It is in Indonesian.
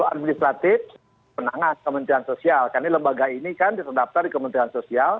karena lembaga ini kan terdaftar di kementerian sosial